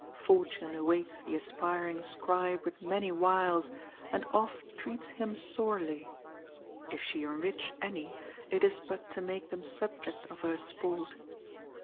Fortune awaits the aspiring scribe with many wiles, and oft treats him sorely. If she enrich any, it is but to make them subject of her sport.